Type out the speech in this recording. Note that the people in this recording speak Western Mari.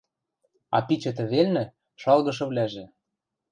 А пичӹ тӹ велнӹ шалгышывлӓжӹ...